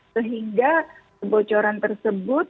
sehingga kebocoran tersebut